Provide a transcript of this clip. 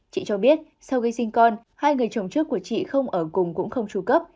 chị cho biết sau khi sinh con hai người chồng trước của chị không ở cùng cũng không tru cấp